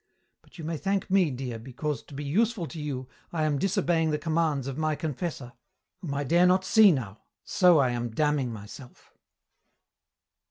But you may thank me, dear, because to be useful to you I am disobeying the commands of my confessor, whom I dare not see now, so I am damning myself."